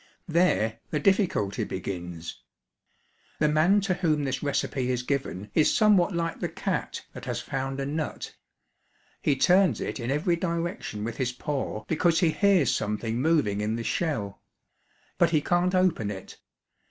There the difficulty begins. The man to whom this recipe is given is somewhat like the cat that has found a nut. He turns it in every direction with his paw because he hears something moving in the shell but he can't open it.